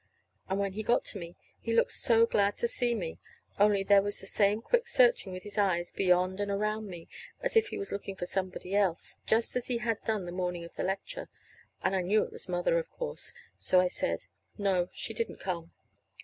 And when he got to me, he looked so glad to see me, only there was the same quick searching with his eyes, beyond and around me, as if he was looking for somebody else, just as he had done the morning of the lecture. And I knew it was Mother, of course. So I said: "No, she didn't come."